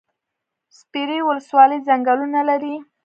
سپیرې ولسوالۍ ځنګلونه لري؟